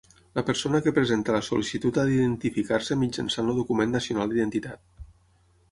La persona que presenti la sol·licitud ha d'identificar-se mitjançant el document nacional d'identitat.